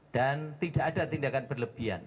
dan tidak ada tindakan berlebihan